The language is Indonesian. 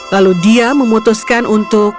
lalu dia memutuskan untuk